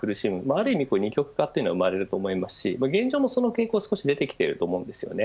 ある意味、二極化が生まれると思いますし現状もその傾向は少し出てきてると思うんですね。